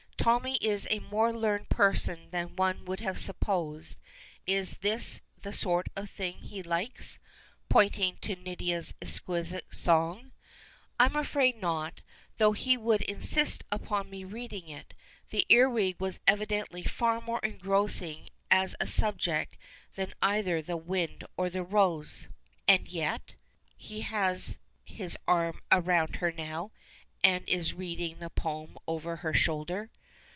"Tommy is a more learned person than one would have supposed. Is this the sort of thing he likes?" pointing to Nydia's exquisite song. "I am afraid not, though he would insist upon my reading it. The earwig was evidently far more engrossing as a subject than either the wind or the rose." "And yet " he has his arm round her now, and is reading the poem over her shoulder.